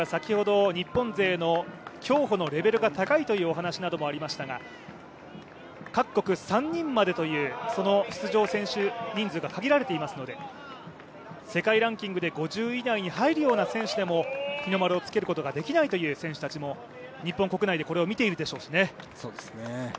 先ほど日本勢の競歩のレベルが高いというお話などもありましたが各国３人までという、その出場選手人数が限られていますので世界ランキングで５０位以内に入る選手でも日の丸をつけることができないという選手たちも日本国内でこれを見ているでしょうしね。